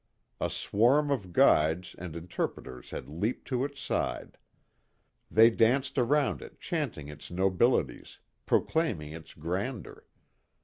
A swarm of guides and interpreters had leaped to its side. They danced around it chanting its nobilities, proclaiming its grandeur.